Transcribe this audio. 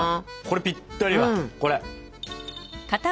これぴったりだこれ。